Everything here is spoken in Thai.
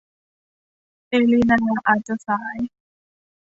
เอลินาอาจจะสาย